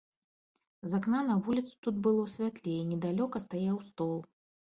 З акна на вуліцу тут было святлей, і недалёка стаяў стол.